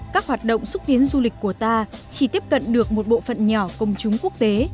các hoạt động xúc tiến du lịch của ta chỉ tiếp cận được một bộ phận nhỏ công chúng quốc tế